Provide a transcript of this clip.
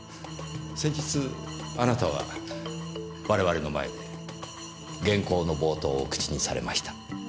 先日あなたは我々の前で原稿の冒頭を口にされました。